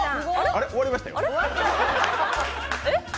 あれ、終わりましたよ。